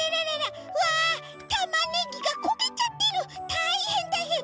たいへんたいへん！